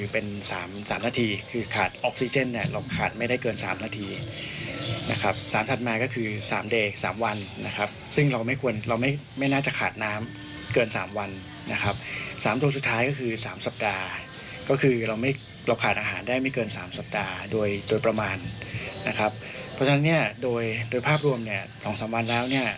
เพราะฉะนั้นโดยภาพรวมสองสามวันแล้ว